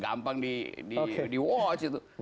gampang di watch gitu